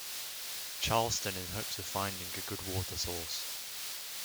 Charleston in hopes of finding a good water source.